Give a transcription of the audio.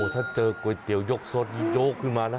ถ้าเจอก๋วยเตี๋ยกสดนี่โยกขึ้นมานะ